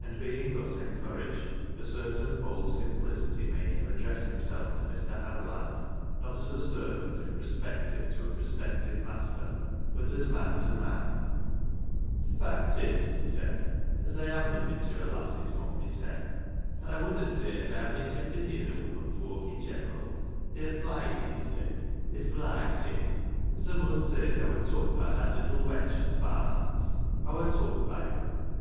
And being thus encouraged, a certain bold simplicity made him address himself to Mi\ Haviland not as a servant ii prospective to a prospective master, but as man to man. " Th' fact is," he said, " as 1 am na mich o' a lass's men mysen, and I wunnot say as I ha' mich opinion o' womar foak i' general — they're flighty yo' see — they're flighty , but I mun say as 1 wur tuk by that little wench o' th' parson's — I wur tuk by her."